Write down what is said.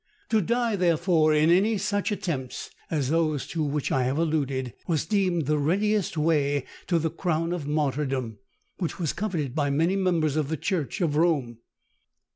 To die, therefore, in any such attempts, as those to which I have alluded, was deemed the readiest way to the crown of martyrdom, which was coveted by many members of the church of Rome.